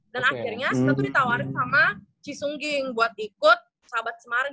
dan akhirnya kita tuh ditawarin sama cisungging buat ikut sahabat semarang